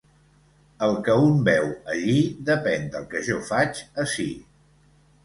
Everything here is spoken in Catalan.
El que un veu allí depèn del que jo faig ací.